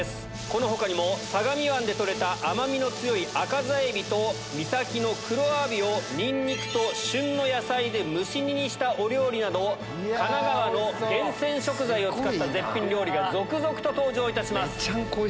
この他にも相模湾で取れた甘みの強い赤座海老と三崎の黒アワビをニンニクと旬の野菜で蒸し煮にしたお料理など神奈川の厳選食材を使った絶品料理が続々と登場いたします。